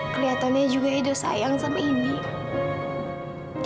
keliatannya juga edo sayang sama indy